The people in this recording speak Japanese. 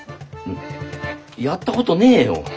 んやったことねえよ。